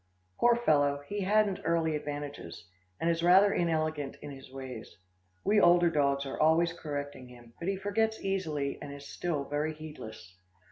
Poor fellow, he hadn't early advantages, and is rather inelegant in his ways. We older dogs are always correcting him, but he forgets easily and is still very heedless.